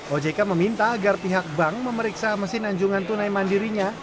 ojk meminta agar pihak bank memeriksa mesin anjungan tunai mandirinya